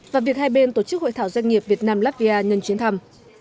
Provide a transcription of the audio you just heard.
và việc hai bên tổ chức hội thảo doanh nghiệp việt nam latvia nhân chuyến thăm